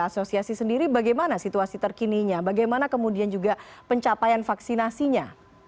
asosiasi sendiri bagaimana situasi terkininya bagaimana kemudian juga pencapaian vaksinasinya